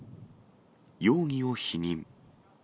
容疑を否認。